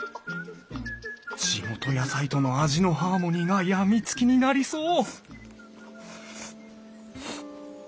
地元野菜との味のハーモニーが病みつきになりそう！